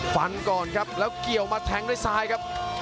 ฟันก่อนครับแล้วเกี่ยวมาแทงด้วยซ้ายครับ